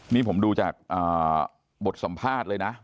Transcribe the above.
นี่ผมดูจากบทสัมภาษณ์เลยนะ